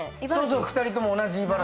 そうそう２人とも同じ茨城。